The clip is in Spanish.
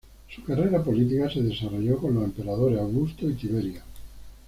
Su carrera política se desarrolló con los emperadores Augusto y Tiberio.